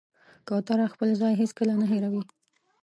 کوتره خپل ځای هېڅکله نه هېروي.